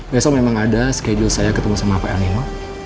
besok memang ada schedule saya ketemu sama pak anima